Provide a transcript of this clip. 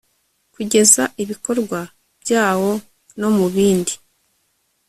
kugeza ibikorwa byawo no mu bindi